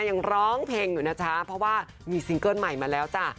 ยังร้องเพลงอยู่นะจ๊ะเพราะว่ามีซิงเกิ้ลใหม่มาแล้วจ้ะ